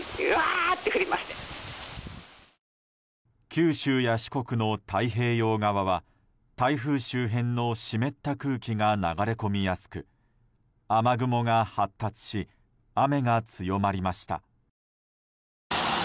九州や四国の太平洋側は台風周辺の湿った空気が流れ込みやすく雨雲が発達し雨が強まりました。